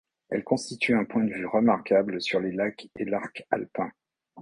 Elle constitue un point de vue remarquable sur les lacs et l'arc alpin.